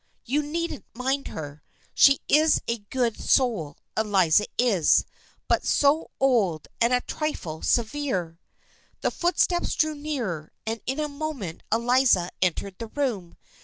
" You needn't mind her. She is a good soul, Eliza is, but so old, and a trifle severe." The footsteps drew nearer, and in a moment Eliza entered the room.